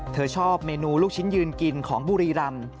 เธอชอบเมนูลูกชิ้นยืนกินของบุรีรำ